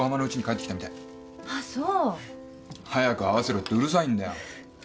早く会わせろってうるさいんだよ。